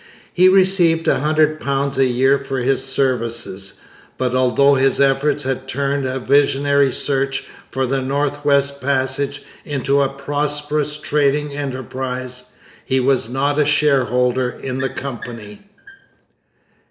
He received £100 a year for his services, but, although his efforts had turned a visionary search for the North West Passage into a prosperous trading enterprise, he was not a shareholder in the Company.